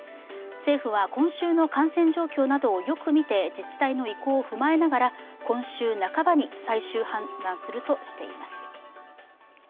政府は今週の感染状況などをよく見て自治体の意向を踏まえながら今週半ばに最終判断するとしています。